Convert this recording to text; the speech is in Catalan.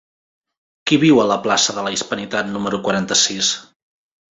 Qui viu a la plaça de la Hispanitat número quaranta-sis?